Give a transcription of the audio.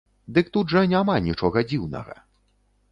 Дык тут жа няма нічога дзіўнага.